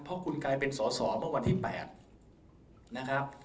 เพราะคุณกลายเป็นสอสอเมื่อวันที่๘นะครับ